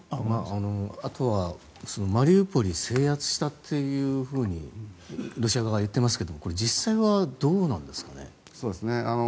あとはマリウポリ制圧したというふうにロシア側が言ってますけどこれは実際はどうなんですかね。